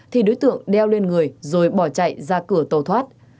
thì đối tượng đeo lên người rồi bỏ chạy ra cửa tàu thoát